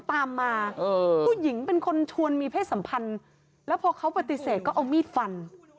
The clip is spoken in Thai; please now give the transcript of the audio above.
ตามมาผู้หญิงเป็นคนชวนมีเพศสัมพันธ์แล้วพอเขาปฏิเสธก็เอามีดฟัน